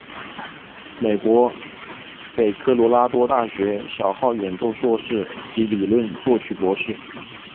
美国北科罗拉多大学小号演奏硕士及理论作曲博士。